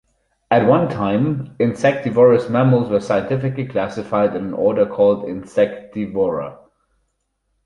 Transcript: At one time, insectivorous mammals were scientifically classified in an order called Insectivora.